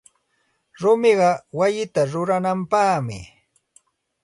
Rumiqa wayita ruranapaqmi.